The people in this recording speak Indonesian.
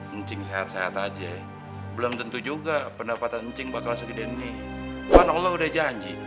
encing sehat sehat aja belum tentu juga pendapatan cing bakal segede ini